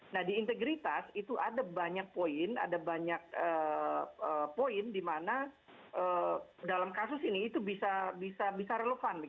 nah di integritas itu ada banyak poin ada banyak poin di mana dalam kasus ini itu bisa relevan